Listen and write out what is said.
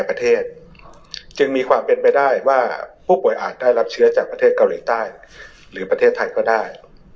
ผู้ป่วยอาจได้รับเชื้อจากประเทศเกาหลีใต้หรือประเทศไทยก็ได้